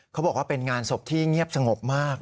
เขาบอกว่าเป็นงานศพที่เงียบสงบมาก